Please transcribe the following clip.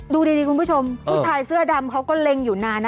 ดูดีคุณผู้ชมผู้ชายเสื้อดำเขาก็เล็งอยู่นานนะ